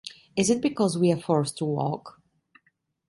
Is it because we are forced to walk?